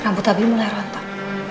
rambut abi mulai rontok